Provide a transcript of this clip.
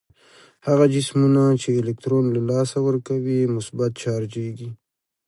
هغه جسمونه چې الکترون له لاسه ورکوي مثبت چارجیږي.